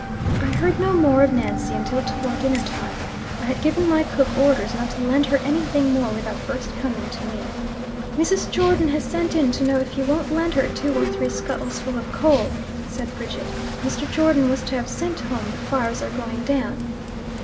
I heard no more of Nancy until toward dinner time. I had given my cook orders not to lend her anything more without first coming to me. "Mrs. Jordon has sent in to know if you won't lend her two or three scuttles full of coal," said Bridget. "Mr. Jordon was to have sent home the fires are going down."